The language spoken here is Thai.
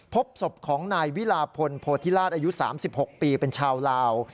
พบศพของนายวิลาพลโพธิราชอายุ๓๖ปีเป็นชาวลาว